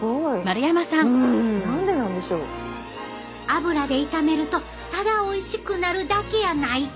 油で炒めるとただおいしくなるだけやない。